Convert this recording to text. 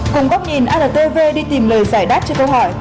cùng góc nhìn ard tv đi tìm lời giải đáp cho câu hỏi